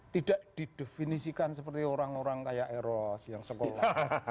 tidak didefinisikan seperti orang orang kayak eros yang sekolah